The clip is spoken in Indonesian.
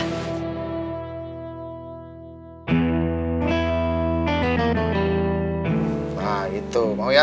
nah itu mau ya